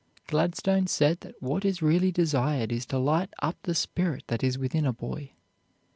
Gladstone said that what is really desired is to light up the spirit that is within a boy.